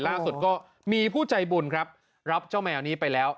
ล่าสุดก็มีผู้ใจบุญครับรับเจ้าแมวนี้ไปแล้ว